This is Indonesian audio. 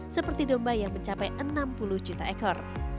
seperti domba yang mencapai enam puluh juta ekor